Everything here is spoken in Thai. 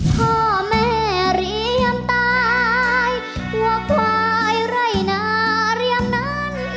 พ่อแม่เหรียมตายหัวควายไร่หนาเหรียมนั้น